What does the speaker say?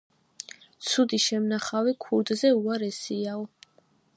ცუდი შემნახავი ქურდზე უარესიაო.